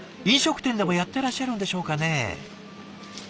飲食店でもやってらっしゃるんでしょうかね？